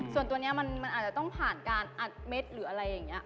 ส่วนตัวนี้มันอาจจะต้องผ่านการอัดเม็ดหรืออะไรอย่างนี้